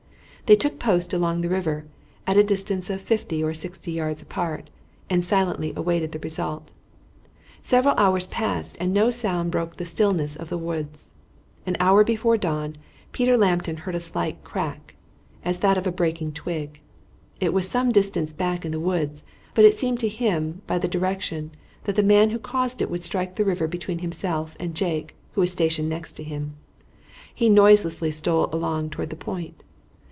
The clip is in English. They took post along the river, at a distance of fifty or sixty yards apart, and silently awaited the result. Several hours passed and no sound broke the stillness of the woods. An hour before dawn Peter Lambton heard a slight crack, as that of a breaking twig. It was some distance back in the woods, but it seemed to him, by the direction, that the man who caused it would strike the river between himself and Jake, who was stationed next to him. He noiselessly stole along toward the point.